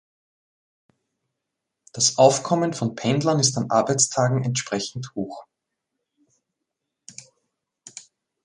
Das Aufkommen von Pendlern ist an Arbeitstagen entsprechend hoch.